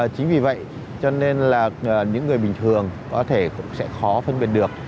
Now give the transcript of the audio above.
chính vì vậy cho nên là những người bình thường có thể cũng sẽ khó phân biệt được